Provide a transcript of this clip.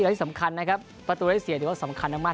และที่สำคัญนะครับประตูไลศียนต์ก็สำคัญมากมาย